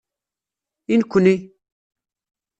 I nekkni?